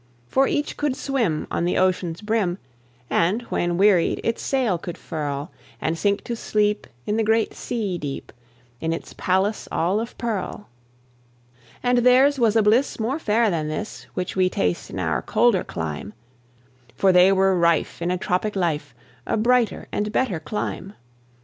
For each could swim on the ocean's brim, And, when wearied, its sail could furl, And sink to sleep in the great sea deep, In its palace all of pearl. And theirs was a bliss more fair than this Which we taste in our colder clime; For they were rife in a tropic life A brighter and better clime.